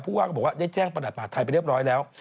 พวกเขาก็บอกว่าได้แจ้งประดับอาทัยไปเรียบร้อยแล้ว